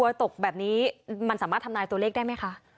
ตกแบบนี้มันสามารถทำนายตัวเลขได้ไหมคะ